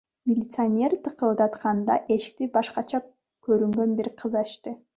Милиционер тыкылдатканда, эшикти башкача көрүнгөн бир кыз ачты.